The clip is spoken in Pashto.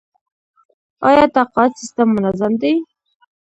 آیا تقاعد سیستم منظم دی؟